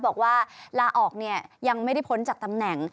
บอกว่าลาออกเนี่ยยังไม่ได้พ้นจากตำแหน่ง